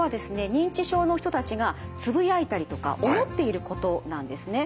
認知症の人たちがつぶやいたりとか思っていることなんですね。